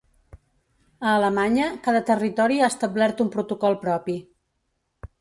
A Alemanya, cada territori ha establert un protocol propi.